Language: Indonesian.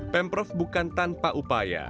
pemprov bukan tanpa upaya